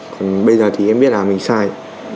còn bây giờ thì em biết là mình sai